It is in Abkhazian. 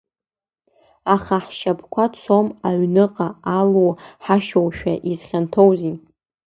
Аха ҳшьапқәа цом аҩныҟа, алу ҳашьоушәа изхьанҭоузеи?!